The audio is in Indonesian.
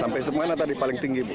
sampai di mana tadi paling tinggi ibu